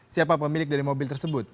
siapa pemilik dari mobil tersebut